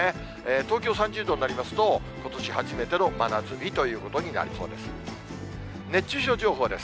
東京３０度になりますと、ことし初めての真夏日ということになりそうです。